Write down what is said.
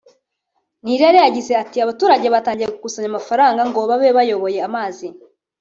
Nirere yagize ati “Abaturage batangiye gukusanya amafaranga ngo babe bayoboye amazi